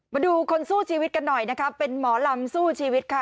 มาดูคนสู้ชีวิตกันหน่อยนะคะเป็นหมอลำสู้ชีวิตค่ะ